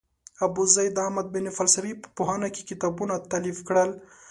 ابوزید احمد بن فلسفي په پوهنو کې کتابونه تالیف کړل.